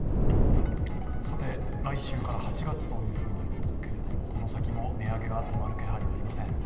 来週から８月というふうになっていますがこの先も値上げが止まる気配はありません。